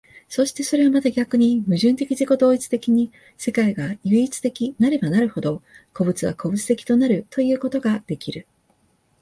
そしてそれはまた逆に矛盾的自己同一的に世界が唯一的なればなるほど、個物は個物的となるということができる。